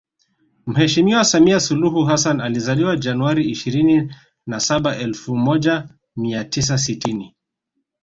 Mheshimiwa Samia Suluhu Hassan alizaliwa Januari ishirini na saba elfu moja mia tisa sitini